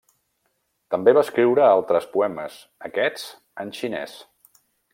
També va escriure altres poemes, aquests en xinès.